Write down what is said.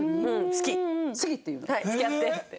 「好き。付き合って」って。